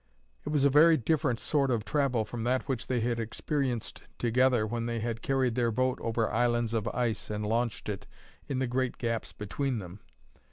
It was a very different sort of travel from that which they had experienced together when they had carried their boat over islands of ice and launched it in the great gaps between them.